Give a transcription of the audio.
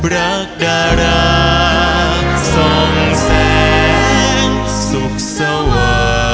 รักอารักส่องแสงสุขสวะ